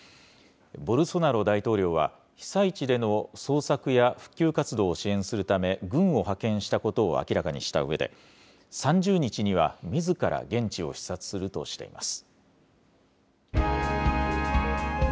ボルソナロ大統領は、被災地での捜索や復旧活動を支援するため、軍を派遣したことを明らかにしたうえで、３０日にはみずから現地を視察するとしています。